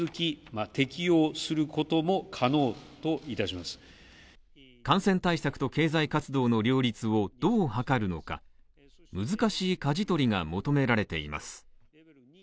岸田総理は今夜感染対策と経済活動の両立をどう図るのか、難しいかじ取りが求められています。